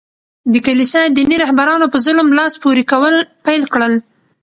د کلیسا دیني رهبرانو په ظلم لاس پوري کول پېل کړل.